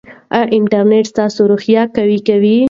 ایا انټرنیټ ستا روحیه قوي کوي؟